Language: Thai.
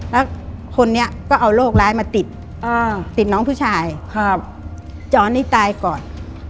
แล้วคนนี้ก็เอาโรคร้ายมาติดติดน้องผู้ชายครับจรนี่ตายก่อน